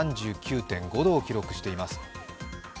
３９．５度を記録しています。